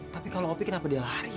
tapi kalau opie kenapa dia lari ya